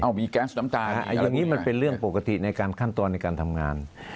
มีแก๊สน้ำตาอย่างนี้มันเป็นเรื่องปกติในการขั้นตอนในการทำงาน